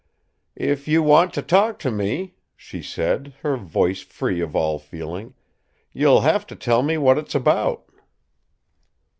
"If you want to talk to me," she said, her voice free of all feeling, "you'll have to tell me what it's about."